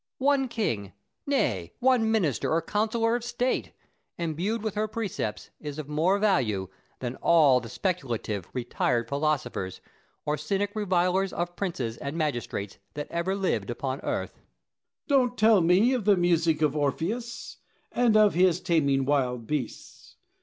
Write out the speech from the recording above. One king nay, one minister or counsellor of state imbued with her precepts is of more value than all the speculative, retired philosophers or cynical revilers of princes and magistrates that ever lived upon earth. Diogenes. Don't tell me of the music of Orpheus, and of his taming wild beasts.